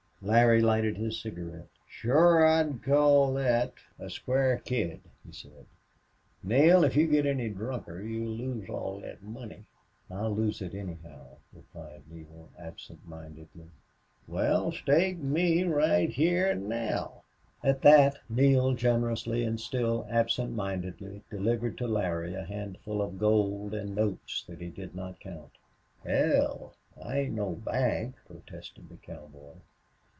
Larry lighted his cigarette. "Shore I'd call thet a square kid," he said. "Neale, if you get any drunker you'll lose all thet money." "I'll lose it anyhow," replied Neale, absent mindedly. "Wal, stake me right heah an' now." At that Neale generously and still absent mindedly delivered to Larry a handful of gold and notes that he did not count. "Hell! I ain't no bank," protested the cowboy.